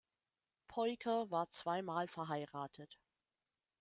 Peucker war zwei Mal verheiratet.